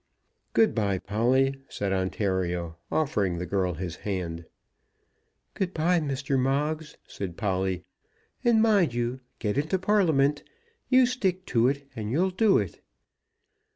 "Good bye, Polly," said Ontario, offering the girl his hand. "Good bye, Mr. Moggs," said Polly; "and mind you get into Parliament. You stick to it, and you'll do it."